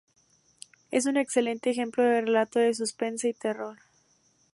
Es un excelente ejemplo de relato de suspense y terror.